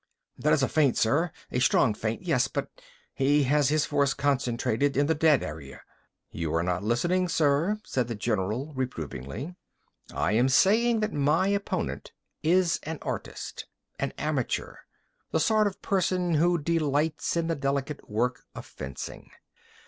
"That is a feint, sir. A strong feint, yes, but he has his force concentrated in the dead area." "You are not listening, sir," said the general, reprovingly. "I am saying that my opponent is an artist, an amateur, the sort of person who delights in the delicate work of fencing.